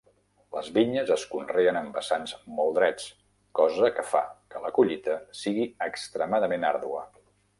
Les vinyes es conreen en vessants molt drets, cosa que fa que la collita sigui extremadament àrdua.